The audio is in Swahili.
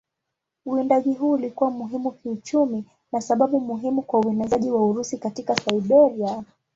Uwindaji huu ulikuwa muhimu kiuchumi na sababu muhimu kwa uenezaji wa Urusi katika Siberia.